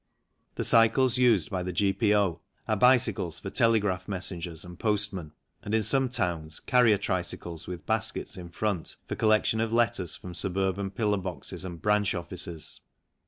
The cycles used by the G.P.O. are bicycles for telegraph messengers, and postmen, and in some towns carrier tricycles, with baskets in front, for collection of letters from suburban pillar boxes and branch offices.